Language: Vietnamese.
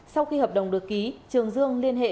sau khi hợp đồng được ký trường dương liên hệ